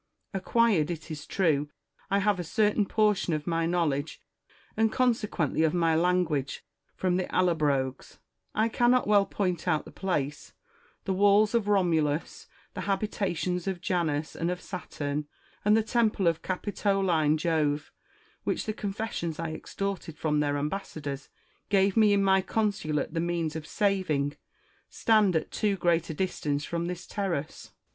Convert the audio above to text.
Acquired, it is true, I have a certain portion of my know ledge, and consequently of my language, from the Allobroges : I cannot well point out the place — the walls of Romulus, the habitations of Janus and of Saturn, and the temple of Capitoline Jove, which the confessions I oxtorted from their ambassadors gave me in my consulate the means of saving, stand at too great a distance from this terrace.